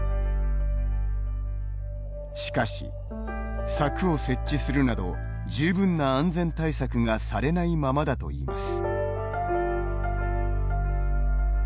しかし、柵を設置するなど十分な安全対策がされないままだといいます。